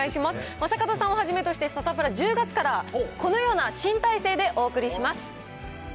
正門さんをはじめとして、サタプラ、１０月からこのような新体制でお送りします。